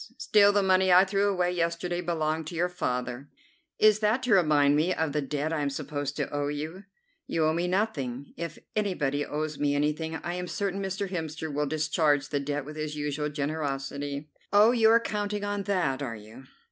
Still, the money I threw away yesterday belonged to your father." "Is that to remind me of the debt I am supposed to owe you?" "You owe me nothing. If anybody owes me anything I am certain Mr. Hemster will discharge the debt with his usual generosity." "Oh, you are counting on that, are you?"